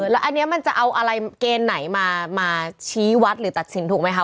แล้วอันนี้มันจะเอาอะไรเกณฑ์ไหนมาชี้วัดหรือตัดสินถูกไหมคะ